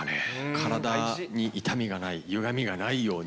体に痛みがない、ゆがみがないように。